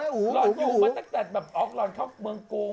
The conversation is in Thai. หลรอยุ่มาตั้งแต่แบบออกรอนเข้าเมืองกรุง